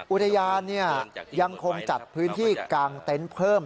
อุทยานยังคงจัดพื้นที่กางเต็นต์เพิ่ม